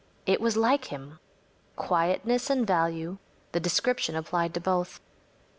It was like him. Quietness and value‚ÄĒthe description applied to both.